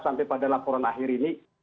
sampai pada laporan akhir ini